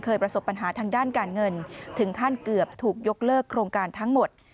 ประสบปัญหาทางด้านการเงินถึงขั้นเกือบถูกยกเลิกโครงการทั้งหมด